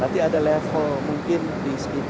nanti ada level mungkin di speed limit